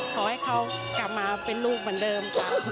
ขอให้เขากลับมาเป็นลูกเหมือนเดิม